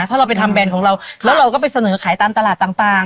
ถ้าเราไปทำแบรนด์ของเราแล้วเราก็ไปเสนอขายตามตลาดต่าง